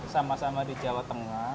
sama sama di jawa tengah